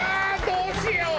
どうしよう。